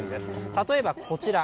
例えばこちら。